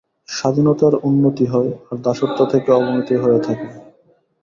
স্বাধীনতার উন্নতি হয়, আর দাসত্ব থেকে অবনতিই হয়ে থাকে।